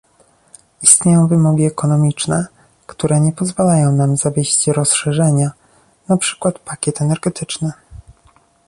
Istnieją wymogi ekonomiczne, które nie pozwalają nam zawiesić rozszerzenia, na przykład pakiet energetyczny